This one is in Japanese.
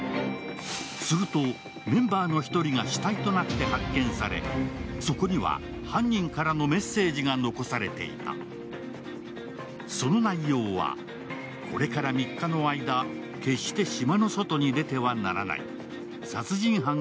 すると、メンバーの１人が死体となって発見されそこには犯人からのメッセージが残されていたその内容はといった１０の指示が書かれていた。